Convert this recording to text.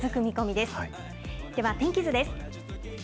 では、天気図です。